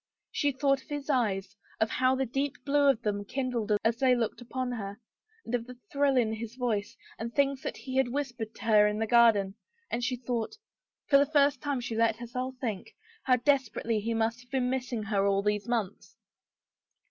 She thought of his eyes, of how the deep blue of them kindled as they looked upon her, and of the thrill in his voice and things that he had whispered to her in the gar den, and she thought — for the first time she let herself think — how desperately he must have been missing her all these months.